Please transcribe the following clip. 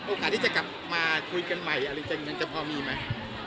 โอกาสที่จะกลับมาคุยกันใหม่อะไรมันจะพอมีไหม